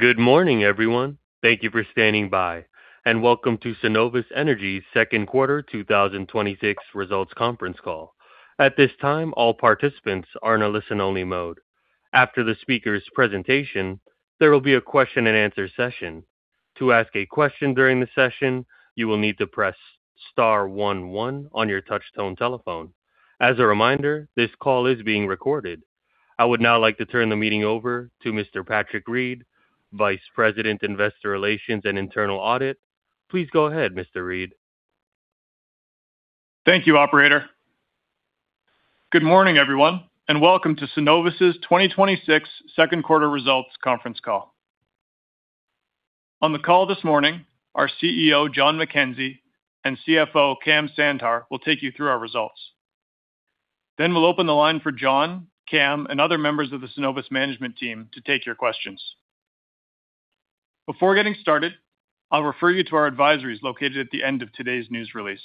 Good morning, everyone. Thank you for standing by, and welcome to Cenovus Energy's second quarter 2026 results conference call. At this time, all participants are in a listen-only mode. After the speaker's presentation, there will be a question and answer session. To ask a question during the session, you will need to press star one one on your touch-tone telephone. As a reminder, this call is being recorded. I would now like to turn the meeting over to Mr. Patrick Read, Vice President, Investor Relations and Internal Audit. Please go ahead, Mr. Read. Thank you, operator. Good morning, everyone, and welcome to Cenovus' 2026 second quarter results conference call. On the call this morning, our CEO, Jon McKenzie, and CFO, Kam Sandhar, will take you through our results. We'll open the line for Jon, Kam, and other members of the Cenovus management team to take your questions. Before getting started, I'll refer you to our advisories located at the end of today's news release.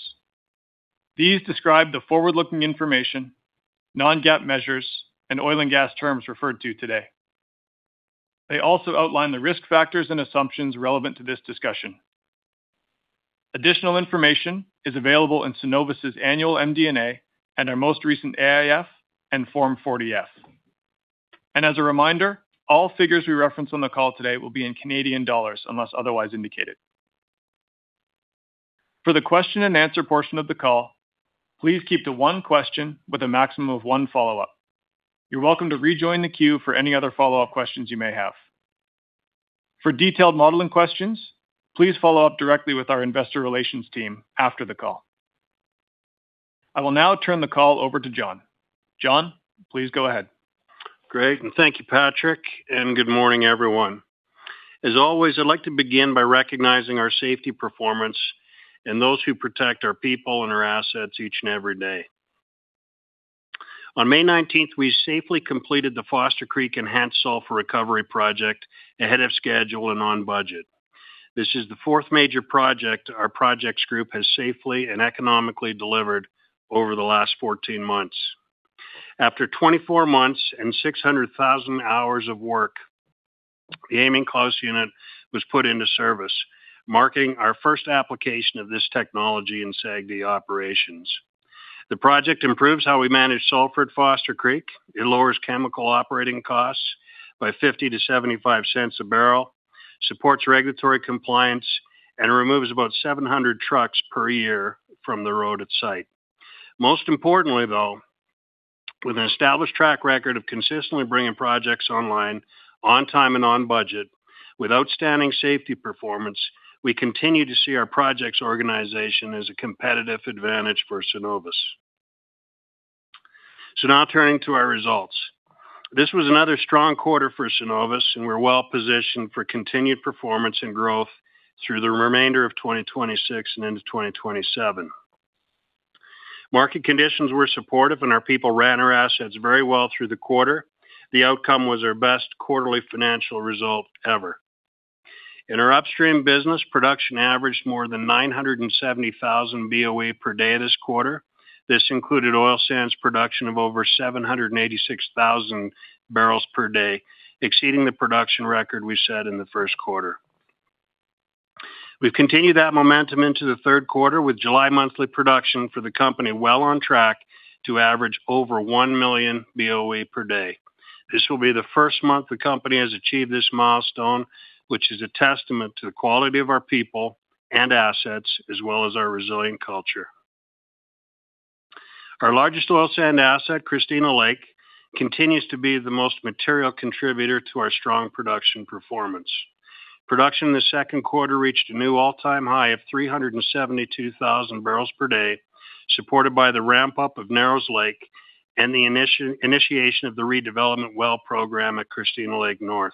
These describe the forward-looking information, non-GAAP measures, and oil and gas terms referred to today. They also outline the risk factors and assumptions relevant to this discussion. Additional information is available in Cenovus' annual MD&A and our most recent AIF and Form 40-F. As a reminder, all figures we reference on the call today will be in Canadian dollars unless otherwise indicated. For the question and answer portion of the call, please keep to one question with a maximum of one follow-up. You're welcome to rejoin the queue for any other follow-up questions you may have. For detailed modeling questions, please follow up directly with our investor relations team after the call. I will now turn the call over to Jon. Jon, please go ahead. Great. Thank you, Patrick, and good morning, everyone. As always, I'd like to begin by recognizing our safety performance and those who protect our people and our assets each and every day. On May 19th, we safely completed the Foster Creek Enhanced Sulfur Recovery Project ahead of schedule and on budget. This is the fourth major project our projects group has safely and economically delivered over the last 14 months. After 24 months and 600,000 hours of work, the Amine Treating Unit was put into service, marking our first application of this technology in SAGD operations. The project improves how we manage sulfur at Foster Creek. It lowers chemical operating costs by 0.50-0.75 a barrel, supports regulatory compliance, and removes about 700 trucks per year from the road at site. Most importantly, though, with an established track record of consistently bringing projects online on time and on budget with outstanding safety performance, we continue to see our projects organization as a competitive advantage for Cenovus. Now turning to our results. This was another strong quarter for Cenovus, and we're well-positioned for continued performance and growth through the remainder of 2026 and into 2027. Market conditions were supportive, and our people ran our assets very well through the quarter. The outcome was our best quarterly financial result ever. In our Upstream business, production averaged more than 970,000 BOE per day this quarter. This included oil sands production of over 786,000 barrels per day, exceeding the production record we set in the first quarter. We've continued that momentum into the third quarter with July monthly production for the company well on track to average over 1 million BOE per day. This will be the first month the company has achieved this milestone, which is a testament to the quality of our people and assets as well as our resilient culture. Our largest oil sand asset, Christina Lake, continues to be the most material contributor to our strong production performance. Production in the second quarter reached a new all-time high of 372,000 barrels per day, supported by the ramp-up of Narrows Lake and the initiation of the redevelopment well program at Christina Lake North.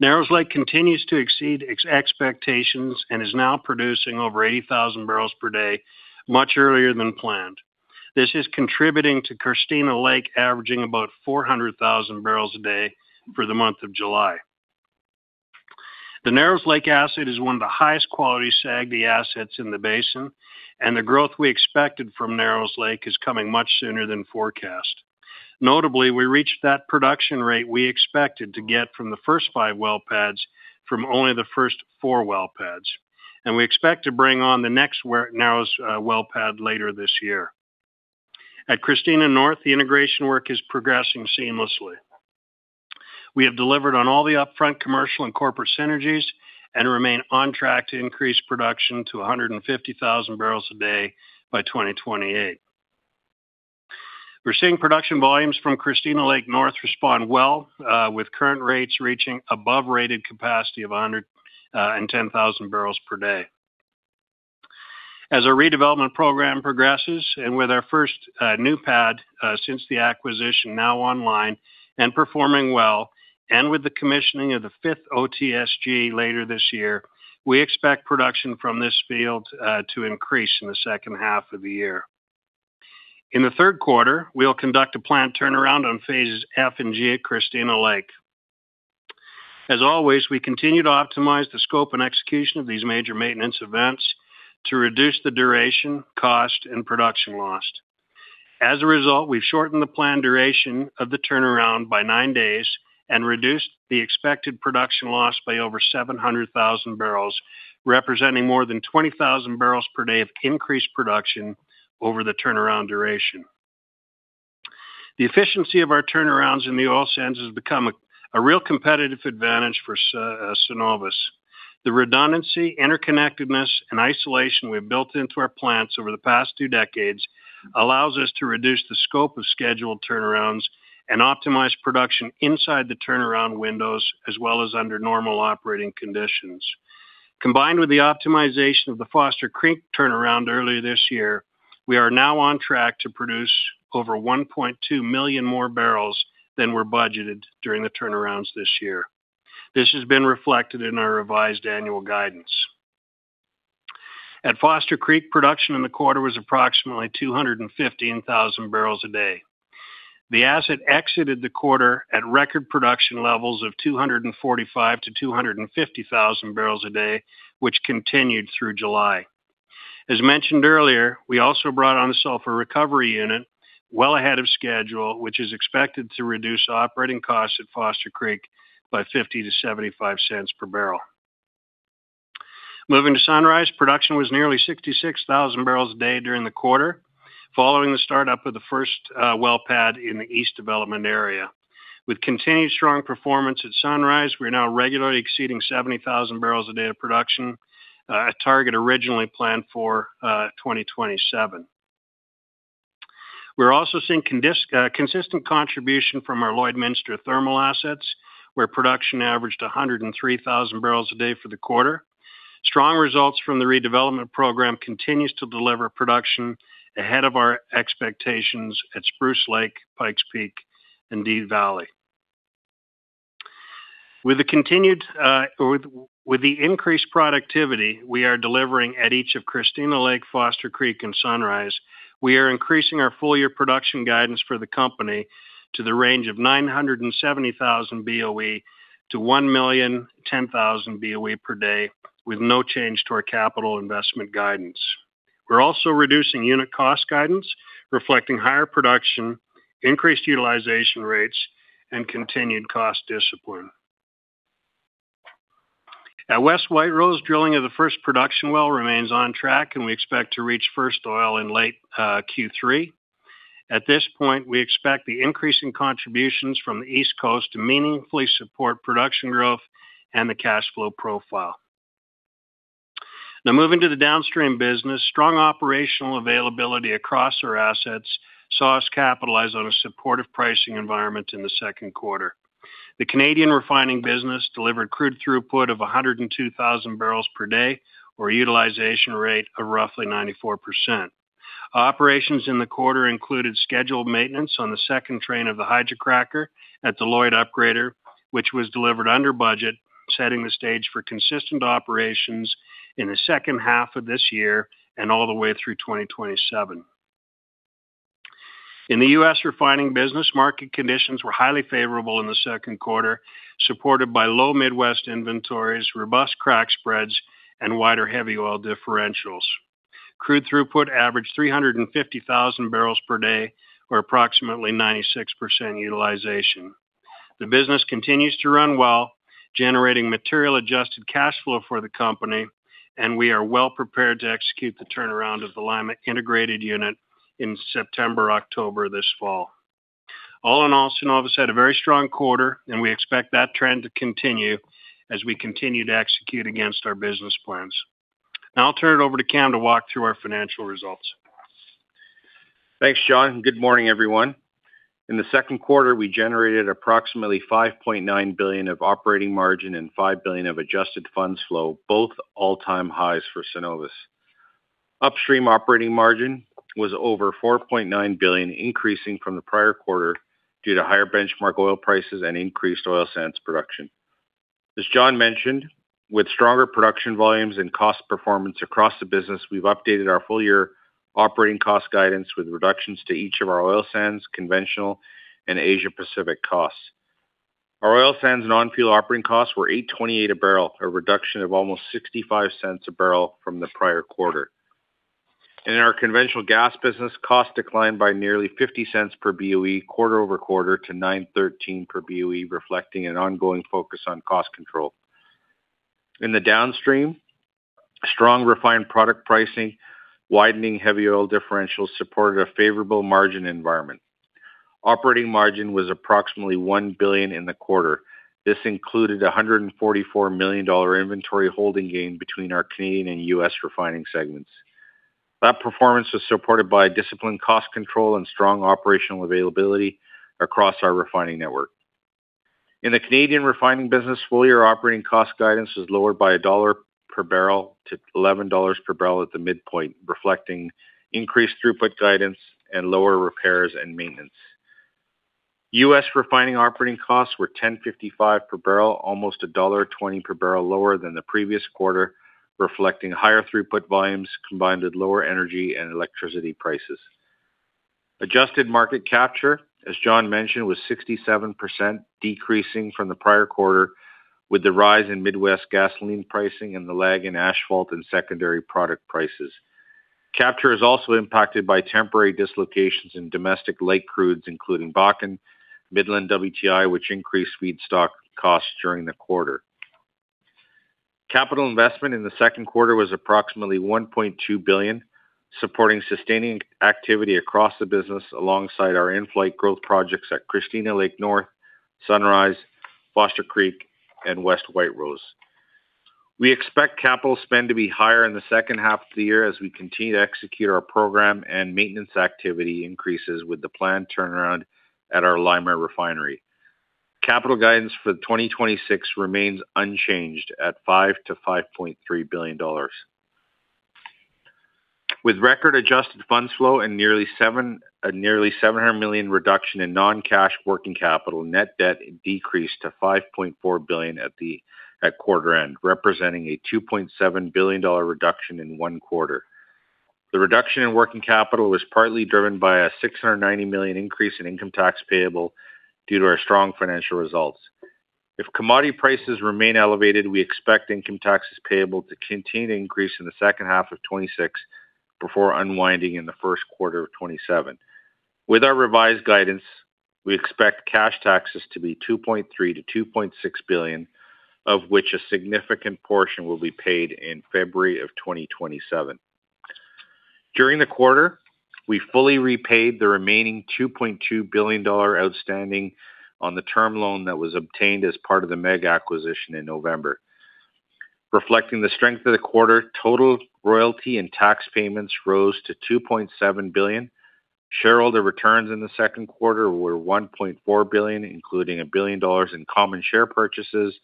Narrows Lake continues to exceed expectations and is now producing over 80,000 barrels per day, much earlier than planned. This is contributing to Christina Lake averaging about 400,000 barrels a day for the month of July. The Narrows Lake asset is one of the highest quality SAGD assets in the basin, and the growth we expected from Narrows Lake is coming much sooner than forecast. Notably, we reached that production rate we expected to get from the first five well pads from only the first four well pads, and we expect to bring on the next Narrows well pad later this year. At Christina North, the integration work is progressing seamlessly. We have delivered on all the upfront commercial and corporate synergies and remain on track to increase production to 150,000 barrels a day by 2028. We're seeing production volumes from Christina Lake North respond well, with current rates reaching above rated capacity of 110,000 barrels per day. As our redevelopment program progresses and with our first new pad since the acquisition now online and performing well, and with the commissioning of the fifth OTSG later this year, we expect production from this field to increase in the second half of the year. In the third quarter, we'll conduct a plant turnaround on phases F and G at Christina Lake. As always, we continue to optimize the scope and execution of these major maintenance events to reduce the duration, cost, and production lost. As a result, we've shortened the planned duration of the turnaround by nine days and reduced the expected production loss by over 700,000 barrels, representing more than 20,000 barrels per day of increased production over the turnaround duration. The efficiency of our turnarounds in the oil sands has become a real competitive advantage for Cenovus. The redundancy, interconnectedness, and isolation we've built into our plants over the past two decades allows us to reduce the scope of scheduled turnarounds and optimize production inside the turnaround windows, as well as under normal operating conditions. Combined with the optimization of the Foster Creek turnaround earlier this year, we are now on track to produce over 1.2 million more barrels than were budgeted during the turnarounds this year. This has been reflected in our revised annual guidance. At Foster Creek, production in the quarter was approximately 215,000 barrels a day. The asset exited the quarter at record production levels of 245,000-250,000 barrels a day, which continued through July. As mentioned earlier, we also brought on a Sulphur recovery unit well ahead of schedule, which is expected to reduce operating costs at Foster Creek by 0.50-0.75 per barrel. Moving to Sunrise, production was nearly 66,000 barrels a day during the quarter, following the start-up of the first well pad in the East Development area. With continued strong performance at Sunrise, we are now regularly exceeding 70,000 barrels a day of production, a target originally planned for 2027. We're also seeing consistent contribution from our Lloydminster thermal assets, where production averaged 103,000 barrels a day for the quarter. Strong results from the redevelopment program continues to deliver production ahead of our expectations at Spruce Lake, Pikes Peak, and Dee Valley. With the increased productivity we are delivering at each of Christina Lake, Foster Creek, and Sunrise, we are increasing our full-year production guidance for the company to the range of 970,000 BOE-1,010,000 BOE per day, with no change to our capital investment guidance. We're also reducing unit cost guidance, reflecting higher production, increased utilization rates, and continued cost discipline. At West White Rose, drilling of the first production well remains on track, and we expect to reach first oil in late Q3. At this point, we expect the increasing contributions from the East Coast to meaningfully support production growth and the cash flow profile. Moving to the downstream business, strong operational availability across our assets saw us capitalize on a supportive pricing environment in the second quarter. The Canadian refining business delivered crude throughput of 102,000 barrels per day or a utilization rate of roughly 94%. Operations in the quarter included scheduled maintenance on the second train of the hydrocracker at the Lloyd Upgrader, which was delivered under budget, setting the stage for consistent operations in the second half of this year and all the way through 2027. In the U.S. refining business, market conditions were highly favorable in the second quarter, supported by low Midwest inventories, robust crack spreads, and wider heavy oil differentials. Crude throughput averaged 350,000 barrels per day or approximately 96% utilization. The business continues to run well, generating material-adjusted cash flow for the company, and we are well prepared to execute the turnaround of the Lima integrated unit in September or October this fall. All in all, Cenovus had a very strong quarter, and we expect that trend to continue as we continue to execute against our business plans. I'll turn it over to Kam to walk through our financial results. Thanks, Jon. Good morning, everyone. In the second quarter, we generated approximately 5.9 billion of operating margin and 5 billion of adjusted funds flow, both all-time highs for Cenovus. Upstream operating margin was over 4.9 billion, increasing from the prior quarter due to higher benchmark oil prices and increased oil sands production. As Jon mentioned, with stronger production volumes and cost performance across the business, we have updated our full-year operating cost guidance with reductions to each of our oil sands, conventional, and Asia Pacific costs. Our oil sands and on-fuel operating costs were 8.28 a barrel, a reduction of almost 0.65 a barrel from the prior quarter. In our conventional gas business, costs declined by nearly 0.50 per BOE quarter-over-quarter to 9.13 per BOE, reflecting an ongoing focus on cost control. In the downstream, strong refined product pricing, widening heavy oil differentials supported a favorable margin environment. Operating margin was approximately 1 billion in the quarter. This included a 144 million dollar inventory holding gain between our Canadian and U.S. refining segments. That performance was supported by disciplined cost control and strong operational availability across our refining network. In the Canadian refining business, full-year operating cost guidance is lowered by CAD 1 per barrel to 11 dollars per barrel at the midpoint, reflecting increased throughput guidance and lower repairs and maintenance. U.S. refining operating costs were 10.55 per barrel, almost dollar 1.20 per barrel lower than the previous quarter, reflecting higher throughput volumes combined with lower energy and electricity prices. Adjusted market capture, as Jon mentioned, was 67%, decreasing from the prior quarter with the rise in Midwest gasoline pricing and the lag in asphalt and secondary product prices. Capture is also impacted by temporary dislocations in domestic lake crudes, including Bakken, Midland WTI, which increased feedstock costs during the quarter. Capital investment in the second quarter was approximately 1.2 billion, supporting sustaining activity across the business alongside our in-flight growth projects at Christina Lake North, Sunrise, Foster Creek, and West White Rose. We expect capital spend to be higher in the second half of the year as we continue to execute our program and maintenance activity increases with the planned turnaround at our Lima refinery. Capital guidance for 2026 remains unchanged at 5 billion-5.3 billion dollars. With record adjusted funds flow and nearly 700 million reduction in non-cash working capital, net debt decreased to 5.4 billion at quarter end, representing a 2.7 billion dollar reduction in one quarter. The reduction in working capital was partly driven by a 690 million increase in income tax payable due to our strong financial results. If commodity prices remain elevated, we expect income taxes payable to continue to increase in the second half of 2026 before unwinding in the first quarter of 2027. With our revised guidance, we expect cash taxes to be 2.3 billion-2.6 billion, of which a significant portion will be paid in February of 2027. During the quarter, we fully repaid the remaining 2.2 billion dollar outstanding on the term loan that was obtained as part of the MEG acquisition in November. Reflecting the strength of the quarter, total royalty and tax payments rose to 2.7 billion. Shareholder returns in the second quarter were 1.4 billion, including 1 billion dollars in common share purchases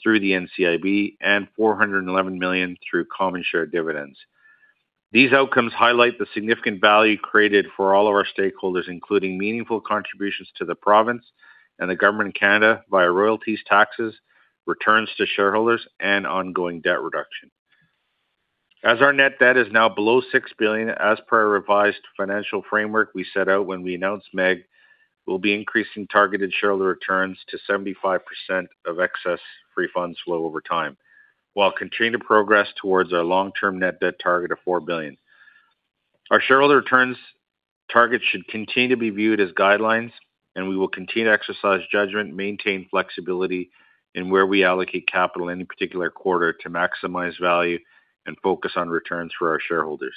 through the NCIB and 411 million through common share dividends. These outcomes highlight the significant value created for all of our stakeholders, including meaningful contributions to the province and the government of Canada via royalties, taxes, returns to shareholders, and ongoing debt reduction. As our net debt is now below 6 billion, as per our revised financial framework we set out when we announced MEG, we will be increasing targeted shareholder returns to 75% of excess free funds flow over time while continuing to progress towards our long-term net debt target of 4 billion. Our shareholder returns targets should continue to be viewed as guidelines, and we will continue to exercise judgment, maintain flexibility in where we allocate capital in any particular quarter to maximize value and focus on returns for our shareholders.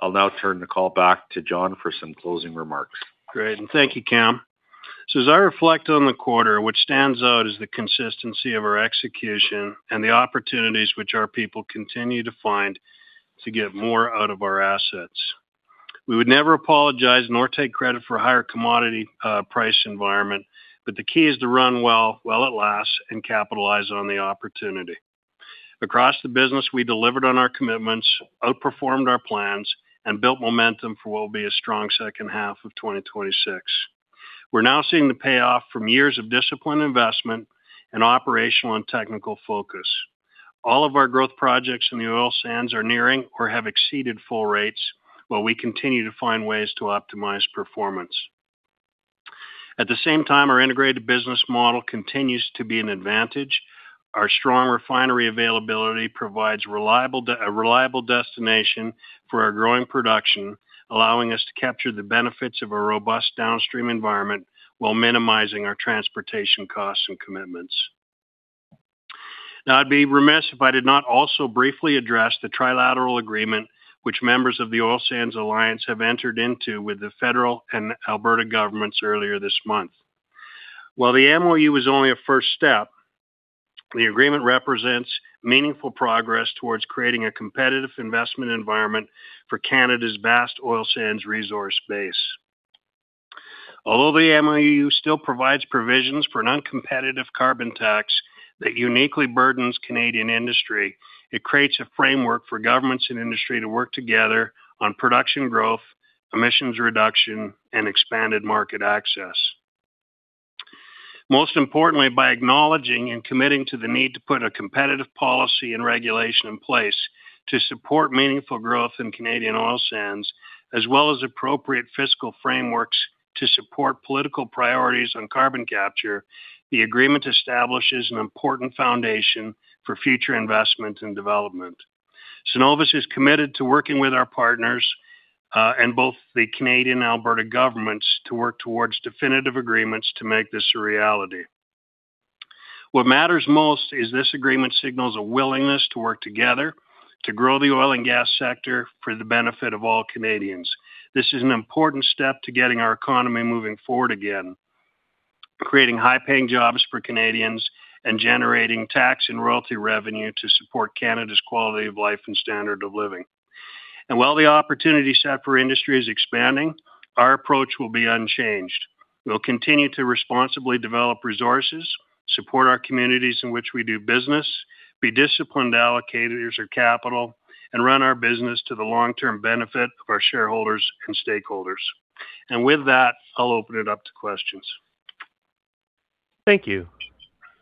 I will now turn the call back to Jon for some closing remarks. Great, thank you, Kam. As I reflect on the quarter, what stands out is the consistency of our execution and the opportunities which our people continue to find to get more out of our assets. We would never apologize nor take credit for a higher commodity price environment, but the key is to run well while it lasts and capitalize on the opportunity. Across the business, we delivered on our commitments, outperformed our plans, and built momentum for what will be a strong second half of 2026. We are now seeing the payoff from years of disciplined investment and operational and technical focus. All of our growth projects in the oil sands are nearing or have exceeded full rates, while we continue to find ways to optimize performance. At the same time, our integrated business model continues to be an advantage. Our strong refinery availability provides a reliable destination for our growing production, allowing us to capture the benefits of a robust downstream environment while minimizing our transportation costs and commitments. I would be remiss if I did not also briefly address the trilateral agreement which members of the Pathways Alliance have entered into with the federal and Alberta governments earlier this month. While the MOU is only a first step, the agreement represents meaningful progress towards creating a competitive investment environment for Canada's vast oil sands resource base. Although the MOU still provides provisions for an uncompetitive carbon tax that uniquely burdens Canadian industry, it creates a framework for governments and industry to work together on production growth, emissions reduction, and expanded market access. Most importantly, by acknowledging and committing to the need to put a competitive policy and regulation in place to support meaningful growth in Canadian oil sands, as well as appropriate fiscal frameworks to support political priorities on carbon capture, the agreement establishes an important foundation for future investment and development. Cenovus is committed to working with our partners, and both the Canadian and Alberta governments to work towards definitive agreements to make this a reality. What matters most is this agreement signals a willingness to work together to grow the oil and gas sector for the benefit of all Canadians. This is an important step to getting our economy moving forward again, creating high-paying jobs for Canadians, and generating tax and royalty revenue to support Canada's quality of life and standard of living. While the opportunity set for industry is expanding, our approach will be unchanged. We'll continue to responsibly develop resources, support our communities in which we do business, be disciplined allocators of capital, and run our business to the long-term benefit of our shareholders and stakeholders. With that, I'll open it up to questions. Thank you.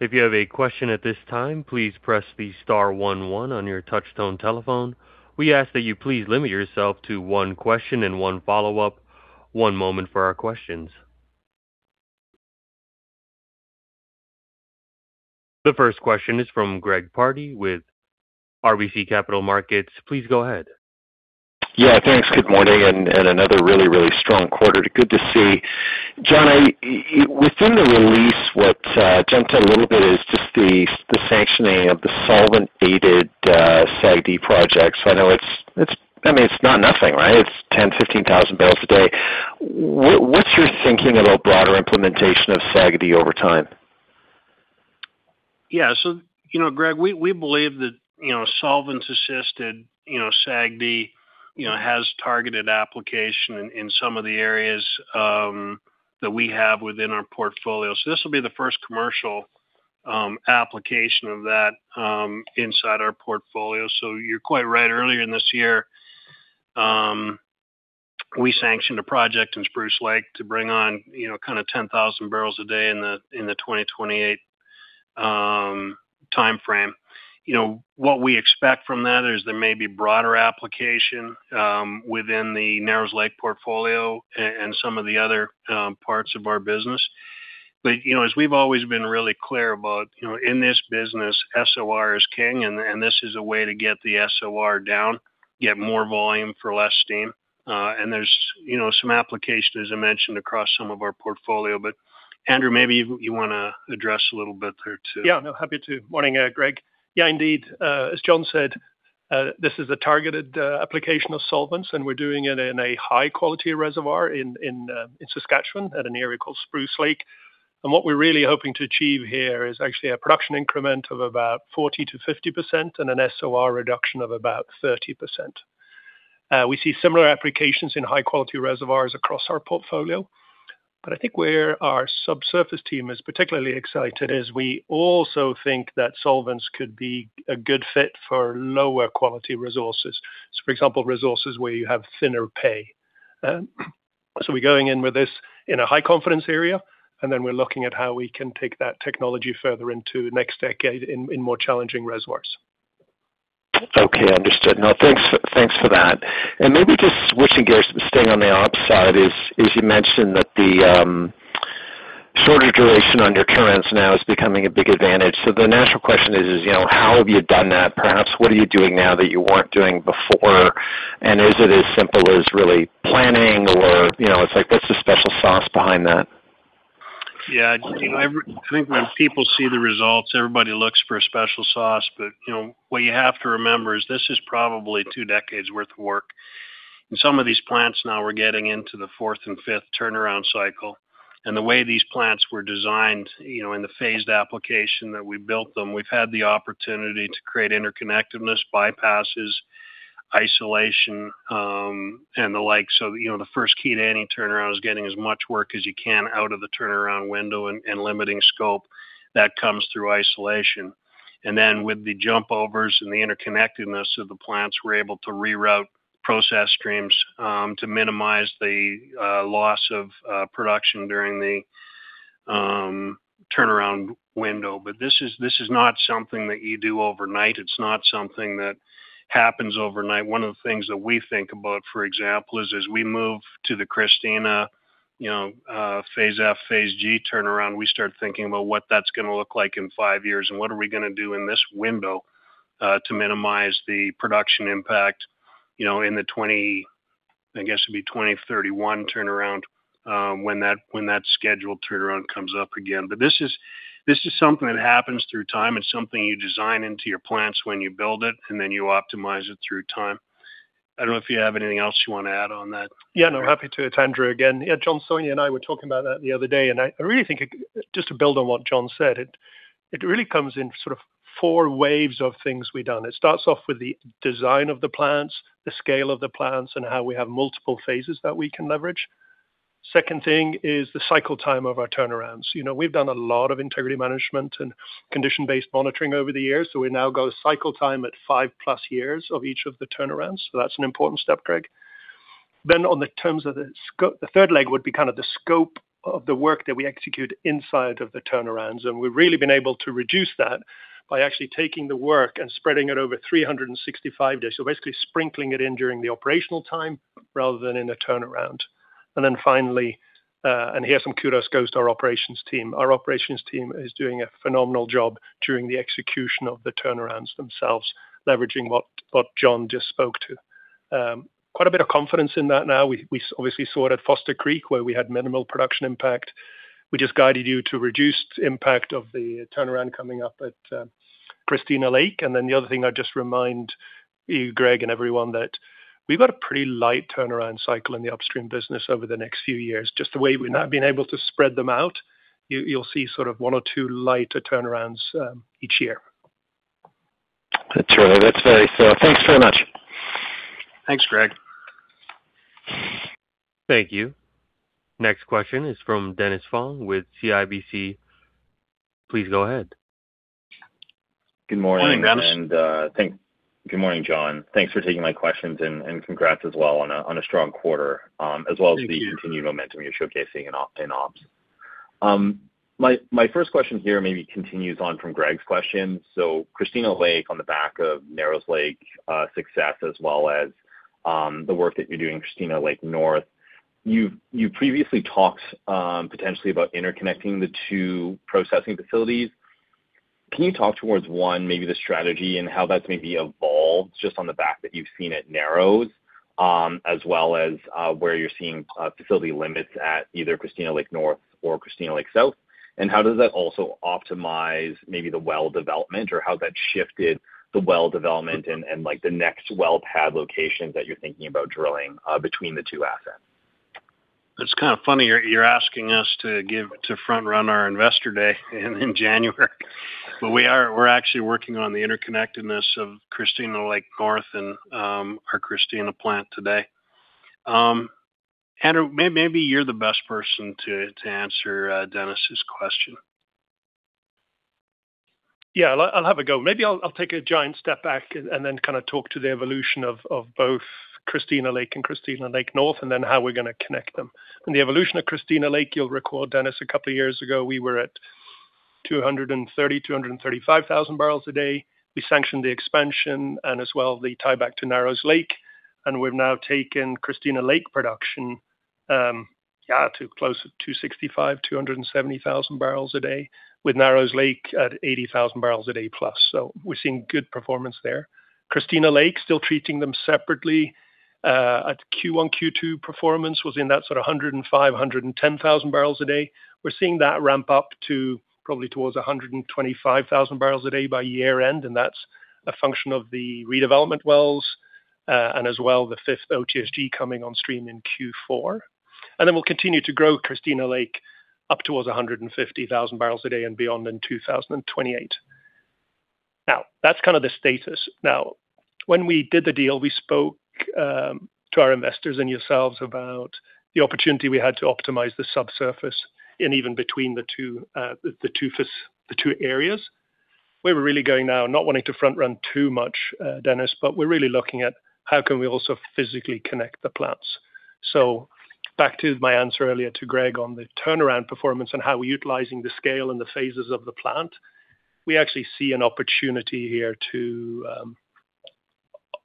If you have a question at this time, please press the star one one on your touchtone telephone. We ask that you please limit yourself to one question and one follow-up. One moment for our questions. The first question is from Greg Pardy with RBC Capital Markets. Please go ahead. Yeah, thanks. Good morning, another really strong quarter. Good to see. Jon, within the release, what jumped a little bit is just the sanctioning of the solvent aided SAGD project. I know it's not nothing, right? It's 10,000, 15,000 barrels a day. What's your thinking about broader implementation of SAGD over time? Yeah. Greg, we believe that solvents assisted SAGD has targeted application in some of the areas that we have within our portfolio. This will be the first commercial application of that inside our portfolio. You're quite right. Earlier in this year, we sanctioned a project in Spruce Lake to bring on kind of 10,000 barrels a day in the 2028 timeframe. What we expect from that is there may be broader application within the Narrows Lake portfolio and some of the other parts of our business. As we've always been really clear about in this business, SOR is king. This is a way to get the SOR down, get more volume for less steam. There's some application, as I mentioned, across some of our portfolio. Andrew, maybe you want to address a little bit there too. Happy to. Morning, Greg. Indeed. As Jon said, this is a targeted application of solvents, and we're doing it in a high-quality reservoir in Saskatchewan at an area called Spruce Lake. What we're really hoping to achieve here is actually a production increment of about 40%-50% and an SOR reduction of about 30%. We see similar applications in high-quality reservoirs across our portfolio, but I think where our subsurface team is particularly excited is we also think that solvents could be a good fit for lower quality resources. For example, resources where you have thinner pay. We're going in with this in a high-confidence area, and then we're looking at how we can take that technology further into next decade in more challenging reservoirs. Understood. Thanks for that. Maybe just switching gears, staying on the ops side is, you mentioned that the shorter duration on your currents now is becoming a big advantage. The natural question is, how have you done that? Perhaps, what are you doing now that you weren't doing before? Is it as simple as really planning or, it's like, what's the special sauce behind that? I think when people see the results, everybody looks for a special sauce. What you have to remember is this is probably two decades worth of work. Some of these plants now are getting into the fourth and fifth turnaround cycle. The way these plants were designed in the phased application that we built them, we've had the opportunity to create interconnectiveness, bypasses, isolation, and the like. The first key to any turnaround is getting as much work as you can out of the turnaround window and limiting scope that comes through isolation. Then with the jump overs and the interconnectedness of the plants, we're able to reroute process streams to minimize the loss of production during the turnaround window. This is not something that you do overnight. It's not something that happens overnight. One of the things that we think about, for example, is as we move to the Christina phase F, phase G turnaround, we start thinking about what that's going to look like in five years, and what are we going to do in this window to minimize the production impact in the 2031 turnaround, when that scheduled turnaround comes up again. This is something that happens through time. It's something you design into your plants when you build it, and then you optimize it through time. I don't know if you have anything else you want to add on that. Yeah, no, happy to. It's Andrew again. Yeah, Jon, Sonya and I were talking about that the other day, and I really think, just to build on what Jon said, it really comes in sort of four waves of things we've done. It starts off with the design of the plants, the scale of the plants, and how we have multiple phases that we can leverage. Second thing is the cycle time of our turnarounds. We've done a lot of integrity management and condition-based monitoring over the years. We now go cycle time at 5+ years of each of the turnarounds. That's an important step, Greg. On the terms of the scope, the third leg would be kind of the scope of the work that we execute inside of the turnarounds, and we've really been able to reduce that by actually taking the work and spreading it over 365 days. Basically sprinkling it in during the operational time rather than in a turnaround. Finally, and here some kudos goes to our operations team. Our operations team is doing a phenomenal job during the execution of the turnarounds themselves, leveraging what Jon just spoke to. Quite a bit of confidence in that now. We obviously saw it at Foster Creek where we had minimal production impact, which has guided you to reduced impact of the turnaround coming up at Christina Lake. The other thing I'd just remind you, Greg, and everyone, that we've got a pretty light turnaround cycle in the upstream business over the next few years, just the way we've now been able to spread them out. You'll see sort of one or two lighter turnarounds each year. That's really. That's very. Thanks very much. Thanks, Greg. Thank you. Next question is from Dennis Fong with CIBC. Please go ahead. Morning, Dennis. Good morning, and good morning, Jon. Thanks for taking my questions, and congrats as well on a strong quarter. Thank you as well as the continued momentum you're showcasing in ops. My first question here maybe continues on from Greg's question. Christina Lake, on the back of Narrows Lake success, as well as the work that you're doing, Christina Lake North. You previously talked potentially about interconnecting the two processing facilities. Can you talk towards one, maybe the strategy and how that's maybe evolved just on the back that you've seen at Narrows, as well as where you're seeing facility limits at either Christina Lake North or Christina Lake South, and how does that also optimize maybe the well development or how that shifted the well development and the next well pad locations that you're thinking about drilling between the two assets? It's kind of funny you're asking us to front run our investor day in January, we're actually working on the interconnectedness of Christina Lake North and our Christina plant today. Andrew, maybe you're the best person to answer Dennis' question. Yeah, I'll have a go. Maybe I'll take a giant step back and then talk to the evolution of both Christina Lake and Christina Lake North, and then how we're going to connect them. In the evolution of Christina Lake, you'll recall, Dennis, a couple of years ago, we were at 230,000, 235,000 barrels a day. We sanctioned the expansion and as well the tieback to Narrows Lake, and we've now taken Christina Lake production to close to 265,000, 270,000 barrels a day with Narrows Lake at 80,000 barrels a day plus. We're seeing good performance there. Christina Lake, still treating them separately. At Q1, Q2 performance was in that sort of 105,000, 110,000 barrels a day. We're seeing that ramp up to probably towards 125,000 barrels a day by year-end, that's a function of the redevelopment wells, as well, the fifth OTSG coming on stream in Q4. We'll continue to grow Christina Lake up towards 150,000 barrels a day and beyond in 2028. That's kind of the status. When we did the deal, we spoke to our investors and yourselves about the opportunity we had to optimize the subsurface and even between the two areas. Where we're really going now, not wanting to front run too much, Dennis, but we're really looking at how can we also physically connect the plants. Back to my answer earlier to Greg on the turnaround performance and how we're utilizing the scale and the phases of the plant, we actually see an opportunity here to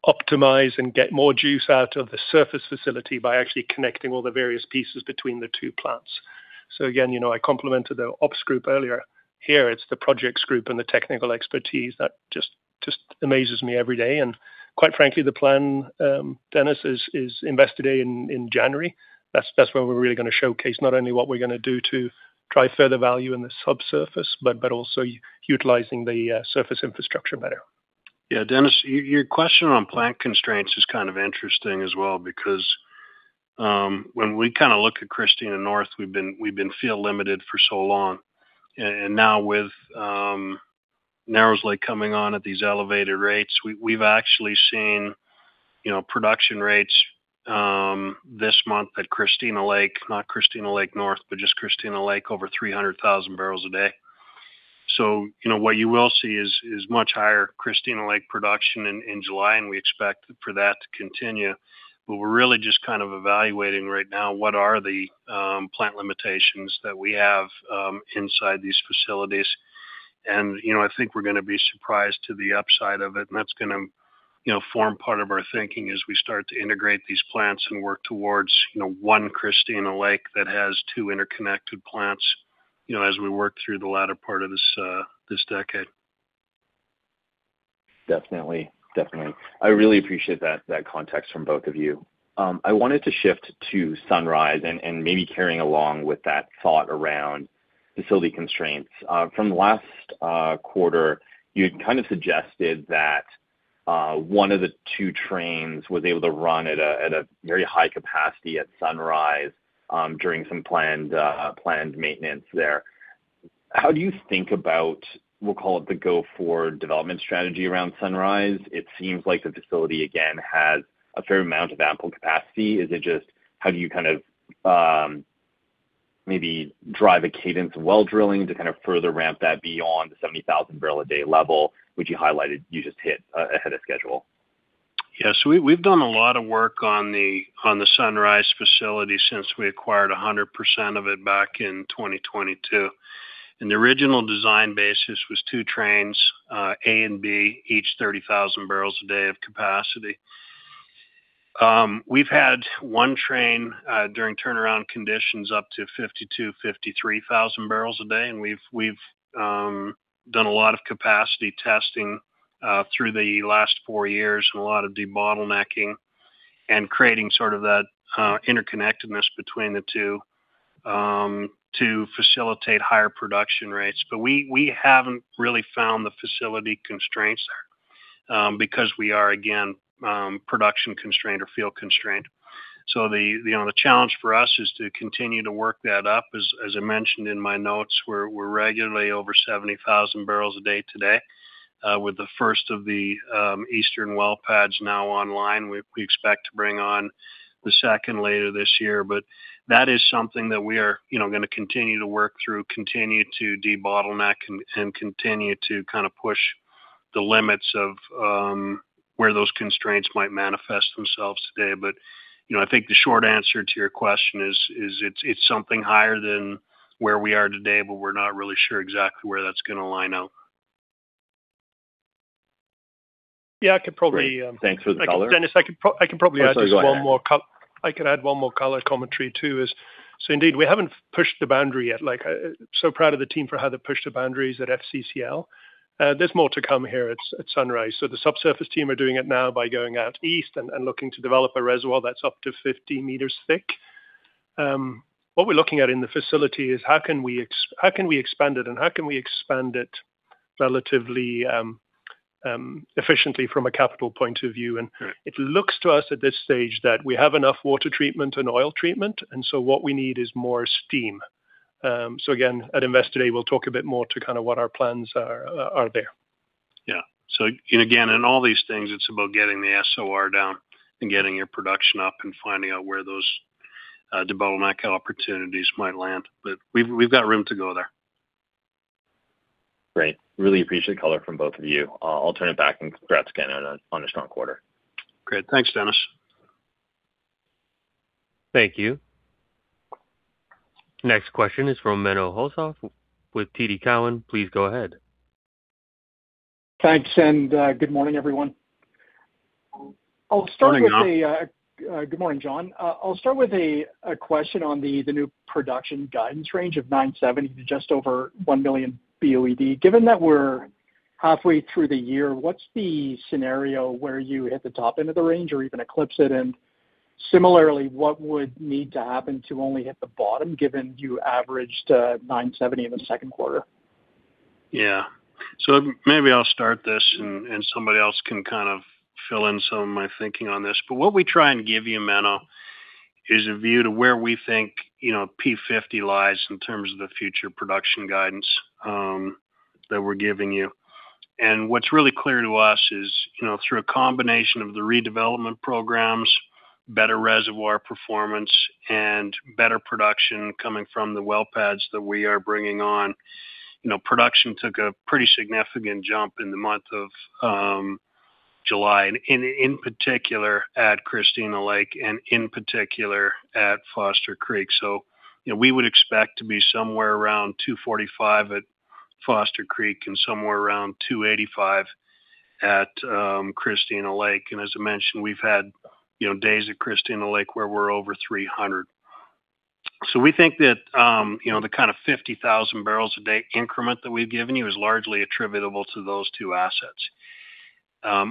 optimize and get more juice out of the surface facility by actually connecting all the various pieces between the two plants. Again, I complimented the ops group earlier. Here, it's the projects group and the technical expertise that just amazes me every day. Quite frankly, the plan, Dennis, is Investor Day in January. That's where we're really going to showcase not only what we're going to do to drive further value in the subsurface, but also utilizing the surface infrastructure better. Dennis, your question on plant constraints is kind of interesting as well because when we look at Christina North, we've been field limited for so long. Now with Narrows Lake coming on at these elevated rates, we've actually seen production rates this month at Christina Lake, not Christina Lake North, but just Christina Lake, over 300,000 barrels a day. What you will see is much higher Christina Lake production in July, and we expect for that to continue. We're really just kind of evaluating right now what are the plant limitations that we have inside these facilities. I think we're going to be surprised to the upside of it, that's going to form part of our thinking as we start to integrate these plants and work towards one Christina Lake that has two interconnected plants as we work through the latter part of this decade. Definitely. I really appreciate that context from both of you. I wanted to shift to Sunrise and maybe carrying along with that thought around facility constraints. From last quarter, you'd kind of suggested that one of the two trains was able to run at a very high capacity at Sunrise during some planned maintenance there. How do you think about, we'll call it the go forward development strategy around Sunrise? It seems like the facility, again, has a fair amount of ample capacity. Is it just how do you maybe drive a cadence well drilling to kind of further ramp that beyond the 70,000 barrel a day level, which you highlighted you just hit ahead of schedule? Yeah. We've done a lot of work on the Sunrise facility since we acquired 100% of it back in 2022. The original design basis was two trains, A and B, each 30,000 barrels a day of capacity. We've had one train during turnaround conditions up to 52,000, 53,000 barrels a day, and we've done a lot of capacity testing through the last four years and a lot of debottlenecking and creating sort of that interconnectedness between the two to facilitate higher production rates. We haven't really found the facility constraints there because we are, again, production constrained or field constrained. The challenge for us is to continue to work that up. As I mentioned in my notes, we're regularly over 70,000 barrels a day today with the first of the eastern well pads now online. We expect to bring on the second later this year. That is something that we are going to continue to work through, continue to debottleneck, and continue to kind of push the limits of where those constraints might manifest themselves today. I think the short answer to your question is, it's something higher than where we are today, but we're not really sure exactly where that's going to line out. Yeah, I could probably- Great. Thanks for the color. Dennis, I could add one more color commentary, too. Indeed, we haven't pushed the boundary yet. Proud of the team for how they pushed the boundaries at FCCL. There's more to come here at Sunrise. The subsurface team are doing it now by going out east and looking to develop a reservoir that's up to 50 meters thick. What we're looking at in the facility is how can we expand it and how can we expand it relatively efficiently from a capital point of view? It looks to us at this stage that we have enough water treatment and oil treatment, and so what we need is more steam. Again, at Investor Day, we'll talk a bit more to kind of what our plans are there. Yeah. And again, in all these things, it's about getting the SOR down and getting your production up and finding out where those bottleneck opportunities might land. We've got room to go there. Great. Really appreciate the color from both of you. I'll turn it back, congrats again on a strong quarter. Great. Thanks, Dennis. Thank you. Next question is from Menno Hulshof with TD Cowen. Please go ahead. Thanks, good morning, everyone. Morning. Good morning, Jon. I'll start with a question on the new production guidance range of 970 to just over 1 million BOED. Given that we're halfway through the year, what's the scenario where you hit the top end of the range or even eclipse it? Similarly, what would need to happen to only hit the bottom, given you averaged 970 in the second quarter? Maybe I'll start this, and somebody else can kind of fill in some of my thinking on this. What we try and give you, Menno, is a view to where we think P50 lies in terms of the future production guidance that we're giving you. What's really clear to us is through a combination of the redevelopment programs, better reservoir performance, and better production coming from the well pads that we are bringing on. Production took a pretty significant jump in the month of July, and in particular at Christina Lake, and in particular at Foster Creek. We would expect to be somewhere around 245 at Foster Creek and somewhere around 285 at Christina Lake. As I mentioned, we've had days at Christina Lake where we're over 300. We think that the kind of 50,000 barrels a day increment that we've given you is largely attributable to those two assets.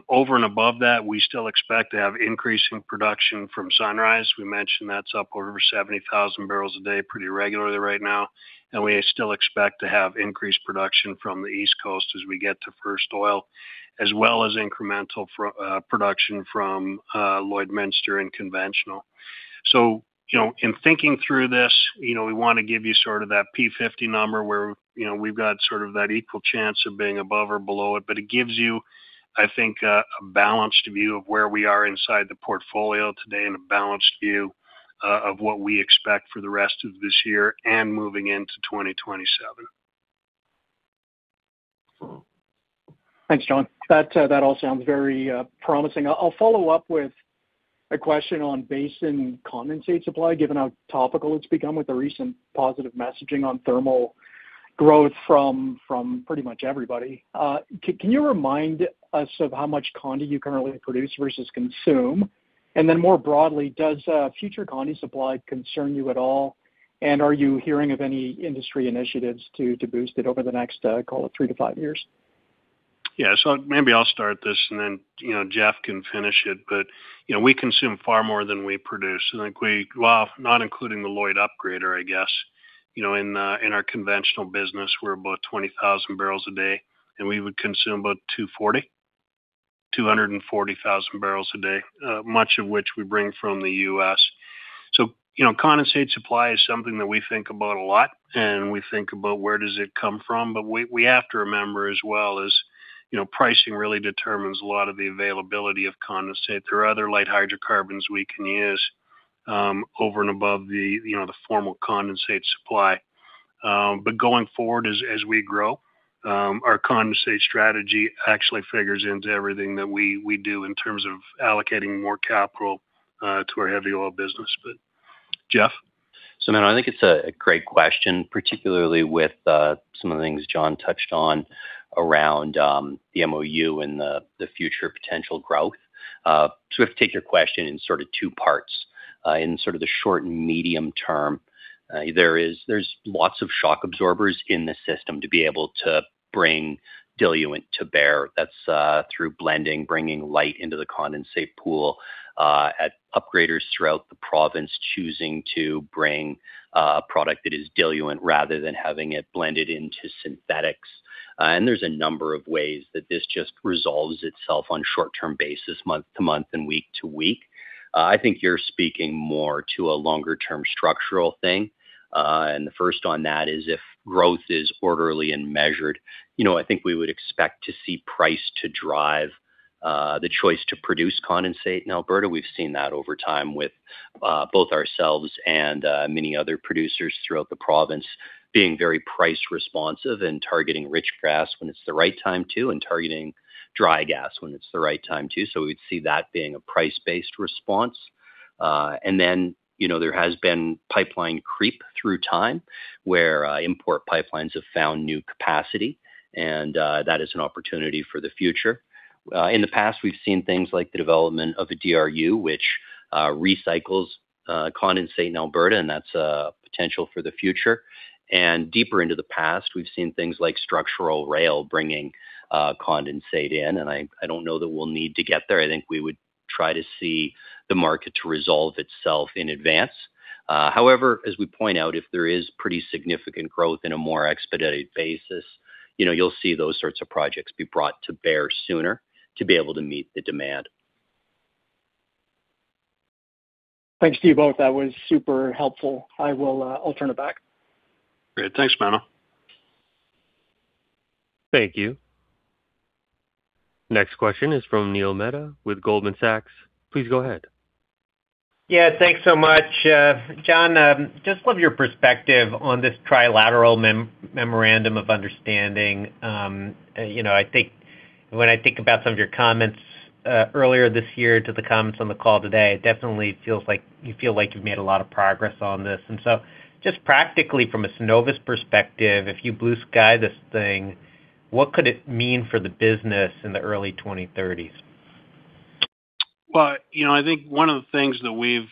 Over and above that, we still expect to have increasing production from Sunrise. We mentioned that's up over 70,000 barrels a day pretty regularly right now, and we still expect to have increased production from the East Coast as we get to first oil, as well as incremental production from Lloydminster and conventional. In thinking through this, we want to give you sort of that P50 number where we've got sort of that equal chance of being above or below it, but it gives you, I think, a balanced view of where we are inside the portfolio today and a balanced view of what we expect for the rest of this year and moving into 2027. Thanks, Jon. That all sounds very promising. I'll follow up with a question on basin condensate supply, given how topical it's become with the recent positive messaging on thermal growth from pretty much everybody. Can you remind us of how much condensate you currently produce versus consume? Then more broadly, does future condensate supply concern you at all? Are you hearing of any industry initiatives to boost it over the next, call it three to five years? Maybe I'll start this and then Jeff can finish it. We consume far more than we produce. Not including the Lloyd Upgrader, I guess, in our conventional business, we're about 20,000 barrels a day, and we would consume about 240,000 barrels a day, much of which we bring from the U.S. Condensate supply is something that we think about a lot, and we think about where does it come from. We have to remember as well is, pricing really determines a lot of the availability of condensate. There are other light hydrocarbons we can use over and above the formal condensate supply. Going forward, as we grow, our condensate strategy actually figures into everything that we do in terms of allocating more capital to our heavy oil business. Jeff? Menno, I think it's a great question, particularly with some of the things Jon touched on around the MOU and the future potential growth. Sort of take your question in sort of two parts. In sort of the short and medium- term, there's lots of shock absorbers in the system to be able to bring diluent to bear. That's through blending, bringing light into the condensate pool at upgraders throughout the province, choosing to bring a product that is diluent rather than having it blended into synthetics. There's a number of ways that this just resolves itself on short-term basis, month to month and week to week. I think you're speaking more to a longer-term structural thing. The first on that is if growth is orderly and measured, I think we would expect to see price to drive The choice to produce condensate in Alberta, we've seen that over time with both ourselves and many other producers throughout the province being very price responsive and targeting rich gas when it's the right time to, and targeting dry gas when it's the right time to. We'd see that being a price-based response. There has been pipeline creep through time, where import pipelines have found new capacity, and that is an opportunity for the future. In the past, we've seen things like the development of a DRU, which recycles condensate in Alberta, and that's a potential for the future. Deeper into the past, we've seen things like structural rail bringing condensate in, and I don't know that we'll need to get there. I think we would try to see the market to resolve itself in advance. However, as we point out, if there is pretty significant growth in a more expedited basis, you'll see those sorts of projects be brought to bear sooner to be able to meet the demand. Thanks to you both. That was super helpful. I will turn it back. Great. Thanks, Manuel. Thank you. Next question is from Neil Mehta with Goldman Sachs. Please go ahead. Yeah. Thanks so much. Jon, just love your perspective on this trilateral memorandum of understanding. When I think about some of your comments, earlier this year to the comments on the call today, it definitely feels like you feel like you've made a lot of progress on this. Just practically from a Cenovus perspective, if you blue sky this thing, what could it mean for the business in the early 2030s? Well, I think one of the things that we've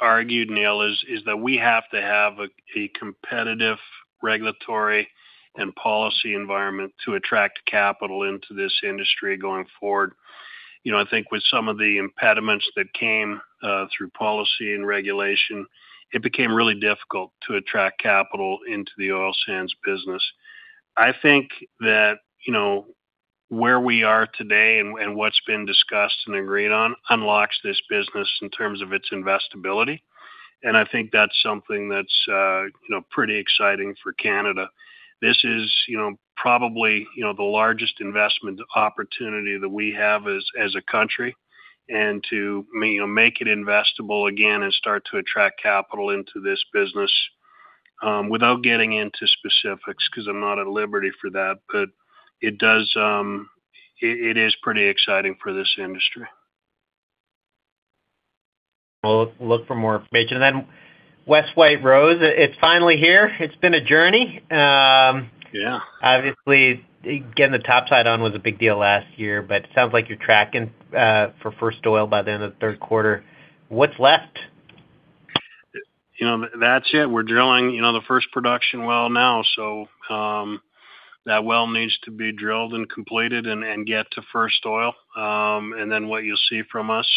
argued, Neil, is that we have to have a competitive regulatory and policy environment to attract capital into this industry going forward. I think with some of the impediments that came through policy and regulation, it became really difficult to attract capital into the oil sands business. I think that where we are today and what's been discussed and agreed on unlocks this business in terms of its investability. I think that's something that's pretty exciting for Canada. This is probably the largest investment opportunity that we have as a country and to make it investable again and start to attract capital into this business, without getting into specifics, because I'm not at liberty for that. It is pretty exciting for this industry. We'll look for more information. West White Rose, it's finally here. It's been a journey. Yeah. Obviously, getting the top side on was a big deal last year, it sounds like you're tracking for first oil by the end of the third quarter. What's left? That's it. We're drilling the first production well now. That well needs to be drilled and completed and get to first oil. What you'll see from us,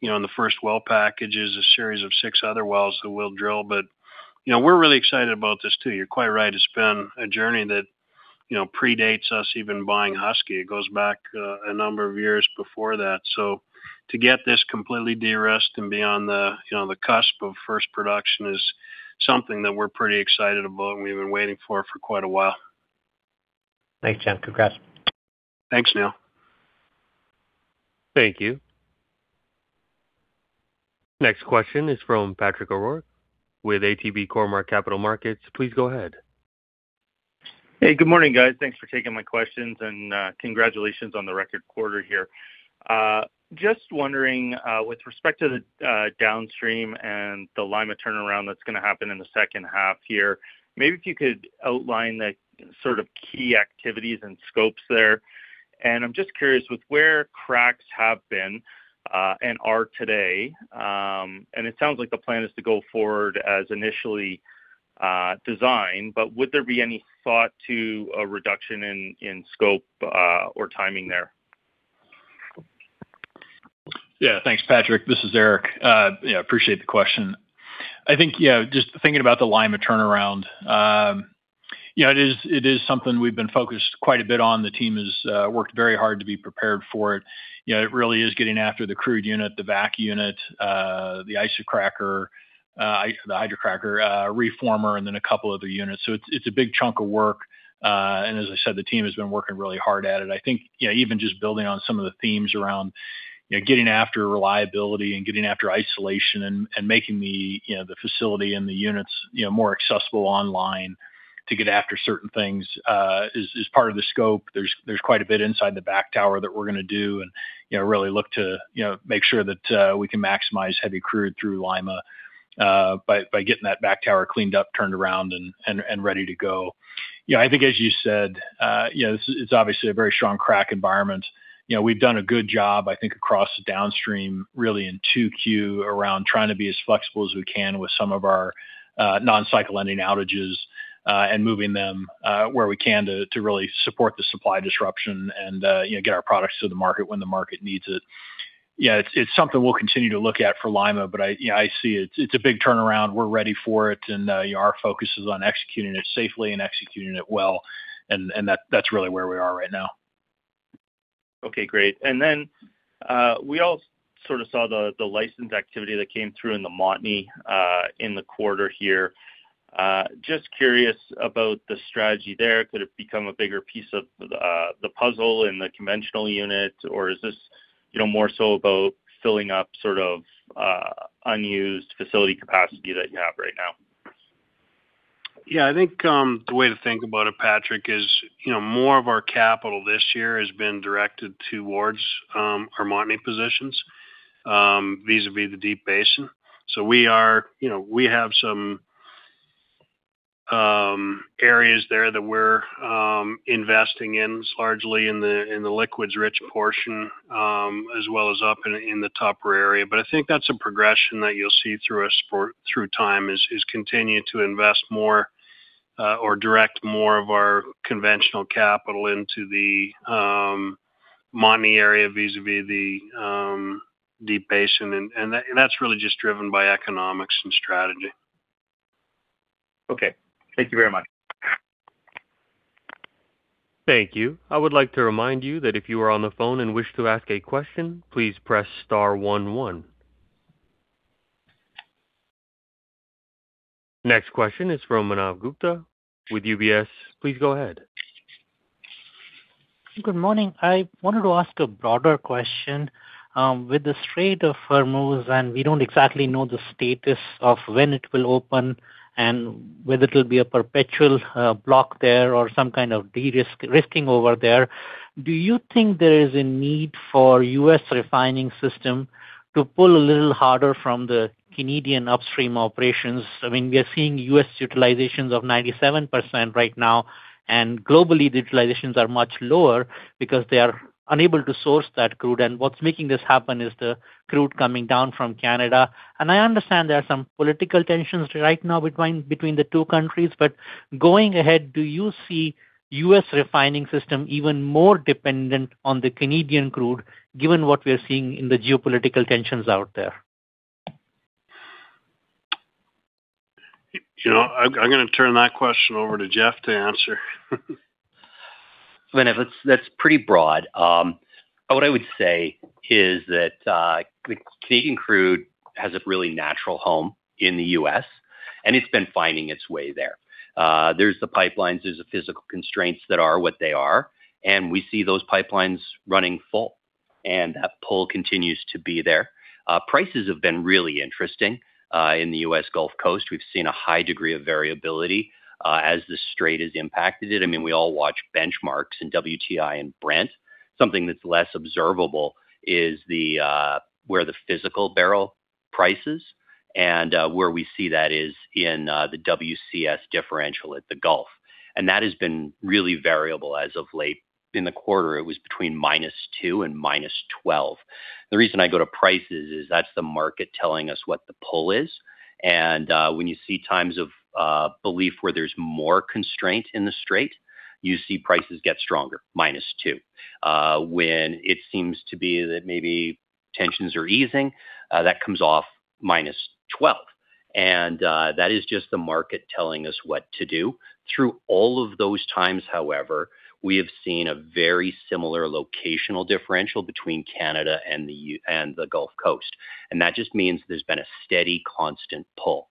in the first well package, is a series of six other wells that we'll drill. We're really excited about this too. You're quite right. It's been a journey that predates us even buying Husky. It goes back a number of years before that. To get this completely de-risked and be on the cusp of first production is something that we're pretty excited about and we've been waiting for quite a while. Thanks, John. Congrats. Thanks, Neil. Thank you. Next question is from Patrick O'Rourke with ATB Cormark Capital Markets. Please go ahead. Hey, good morning, guys. Thanks for taking my questions, and congratulations on the record quarter here. Just wondering, with respect to the downstream and the Lima turnaround that's going to happen in the second half here, maybe if you could outline the sort of key activities and scopes there. I'm just curious with where cracks have been, and are today, and it sounds like the plan is to go forward as initially designed, would there be any thought to a reduction in scope or timing there? Yeah. Thanks, Patrick. This is Eric. Yeah, appreciate the question. I think, just thinking about the Lima turnaround, it is something we've been focused quite a bit on. The team has worked very hard to be prepared for it. It really is getting after the crude unit, the vac unit, the hydrocracker reformer, and then a couple other units. It's a big chunk of work. As I said, the team has been working really hard at it. I think even just building on some of the themes around getting after reliability and getting after isolation and making the facility and the units more accessible online to get after certain things is part of the scope. There's quite a bit inside the back tower that we're going to do and really look to make sure that we can maximize heavy crude through Lima by getting that back tower cleaned up, turned around, and ready to go. I think as you said, it's obviously a very strong crack environment. We've done a good job, I think, across the downstream really in 2Q around trying to be as flexible as we can with some of our non-cycle ending outages, and moving them where we can to really support the supply disruption and get our products to the market when the market needs it. It's something we'll continue to look at for Lima, but I see it. It's a big turnaround. We're ready for it, and our focus is on executing it safely and executing it well, and that's really where we are right now. Okay, great. We all sort of saw the license activity that came through in the Montney in the quarter here. Just curious about the strategy there. Could it become a bigger piece of the puzzle in the conventional unit, or is this more so about filling up unused facility capacity that you have right now? Yeah, I think the way to think about it, Patrick, is more of our capital this year has been directed towards our Montney positions, vis-a-vis the Deep Basin. We have some areas there that we're investing in. It's largely in the liquids-rich portion, as well as up in the Tupper area. I think that's a progression that you'll see through time, is continuing to invest more or direct more of our conventional capital into the Montney area, vis-a-vis the Deep Basin. That's really just driven by economics and strategy. Okay. Thank you very much. Thank you. I would like to remind you that if you are on the phone and wish to ask a question, please press star 11. Next question is from Manav Gupta with UBS. Please go ahead. Good morning. I wanted to ask a broader question. With the Strait of Hormuz, we don't exactly know the status of when it will open and whether it will be a perpetual block there or some kind of de-risking over there. Do you think there is a need for U.S. refining system to pull a little harder from the Canadian upstream operations? I mean, we are seeing U.S. utilizations of 97% right now, and globally, utilizations are much lower because they are unable to source that crude. What's making this happen is the crude coming down from Canada. I understand there are some political tensions right now between the two countries. Going ahead, do you see U.S. refining system even more dependent on the Canadian crude, given what we are seeing in the geopolitical tensions out there? I'm going to turn that question over to Jeff to answer. Manav, that's pretty broad. What I would say is that Canadian crude has a really natural home in the U.S., and it's been finding its way there. There's the pipelines, there's the physical constraints that are what they are, and we see those pipelines running full, and that pull continues to be there. Prices have been really interesting in the U.S. Gulf Coast. We've seen a high degree of variability as the Strait has impacted it. I mean, we all watch benchmarks in WTI and Brent. Something that's less observable is where the physical barrel price is, and where we see that is in the WCS differential at the Gulf. That has been really variable as of late. In the quarter, it was between -2 and -12. The reason I go to prices is that's the market telling us what the pull is. When you see times of belief where there's more constraint in the Strait, you see prices get stronger, -2. When it seems to be that maybe tensions are easing, that comes off -12. That is just the market telling us what to do. Through all of those times, however, we have seen a very similar locational differential between Canada and the Gulf Coast. That just means there's been a steady, constant pull.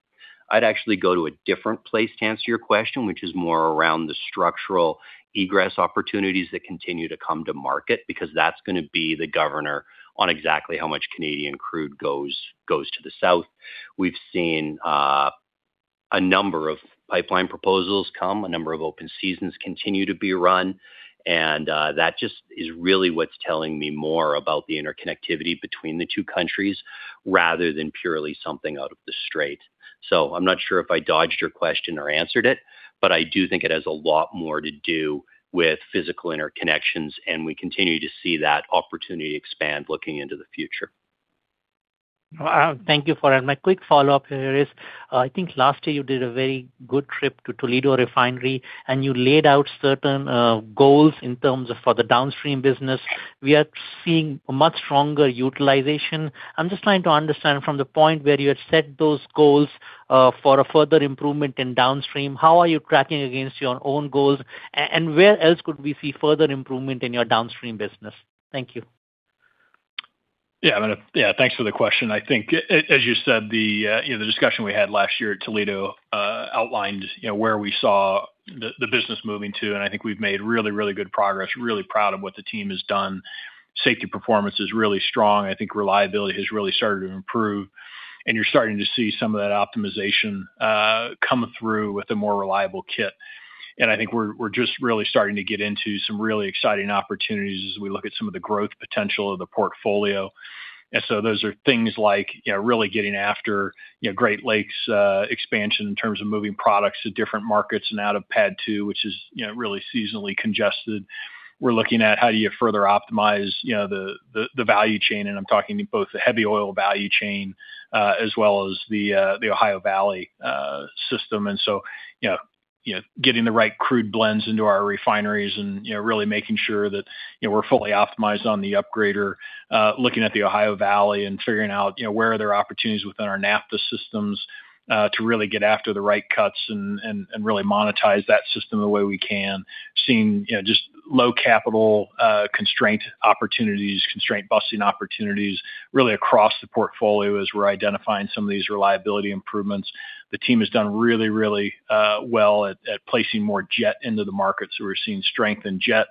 I'd actually go to a different place to answer your question, which is more around the structural egress opportunities that continue to come to market, because that's going to be the governor on exactly how much Canadian crude goes to the south. We've seen a number of pipeline proposals come. A number of open seasons continue to be run. That just is really what's telling me more about the interconnectivity between the two countries rather than purely something out of the Strait. I'm not sure if I dodged your question or answered it, I do think it has a lot more to do with physical interconnections, and we continue to see that opportunity expand looking into the future. Thank you for that. My quick follow-up here is, I think last year you did a very good trip to Toledo Refinery and you laid out certain goals in terms of for the downstream business. We are seeing much stronger utilization. I'm just trying to understand from the point where you had set those goals for a further improvement in downstream, how are you tracking against your own goals, and where else could we see further improvement in your downstream business? Thank you. Yeah. Thanks for the question. I think, as you said, the discussion we had last year at Toledo outlined where we saw the business moving to, I think we've made really good progress. Really proud of what the team has done. Safety performance is really strong. I think reliability has really started to improve, you're starting to see some of that optimization come through with a more reliable kit. I think we're just really starting to get into some really exciting opportunities as we look at some of the growth potential of the portfolio. Those are things like really getting after Great Lakes expansion in terms of moving products to different markets and out of PADD II, which is really seasonally congested. We're looking at how do you further optimize the value chain, I'm talking both the heavy oil value chain as well as the Ohio Valley system. Getting the right crude blends into our refineries and really making sure that we're fully optimized on the upgrader. Looking at the Ohio Valley and figuring out where are there opportunities within our naphtha systems to really get after the right cuts and really monetize that system the way we can. Seeing just low capital constraint opportunities, constraint-busting opportunities really across the portfolio as we're identifying some of these reliability improvements. The team has done really well at placing more jet into the market. We're seeing strength in jet.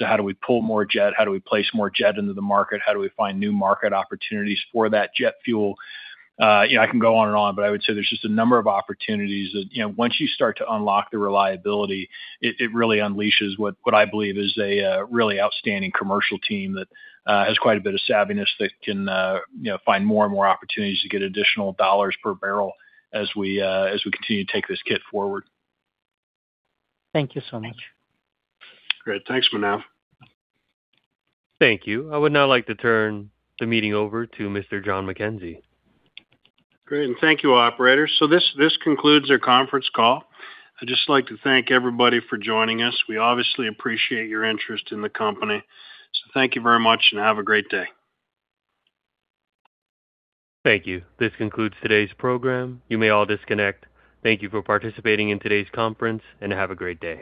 How do we pull more jet? How do we place more jet into the market? How do we find new market opportunities for that jet fuel? I can go on and on, I would say there's just a number of opportunities that once you start to unlock the reliability, it really unleashes what I believe is a really outstanding commercial team that has quite a bit of savviness that can find more and more opportunities to get additional CAD per barrel as we continue to take this kit forward. Thank you so much. Great. Thanks, Manav. Thank you. I would now like to turn the meeting over to Mr. Jon McKenzie. Great. Thank you, operator. This concludes our conference call. I'd just like to thank everybody for joining us. We obviously appreciate your interest in the company. Thank you very much and have a great day. Thank you. This concludes today's program. You may all disconnect. Thank you for participating in today's conference, and have a great day.